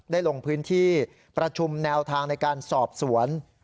ลงพื้นที่ประชุมแนวทางในการสอบสวน